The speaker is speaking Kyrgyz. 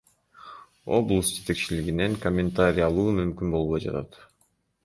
Облус жетекчилигинен комментарий алуу мүмкүн болбой жатат.